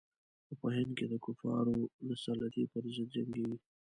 او په هند کې د کفارو د سلطې پر ضد جنګیږي.